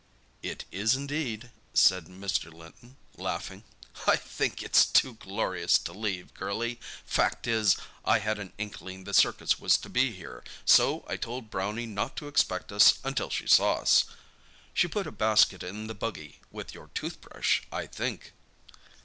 "It is, indeed," said Mr. Linton, laughing. "I think it's too glorious to leave, girlie. Fact is, I had an inkling the circus was to be here, so I told Brownie not to expect us until she saw us. She put a basket in the buggy, with your tooth brush, I think."